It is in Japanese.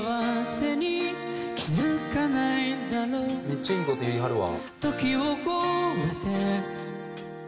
「めっちゃいい事言いはるわ」